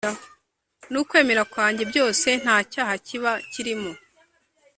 n’ukwemera kwanjye byose ntcyaha kiba kirimo?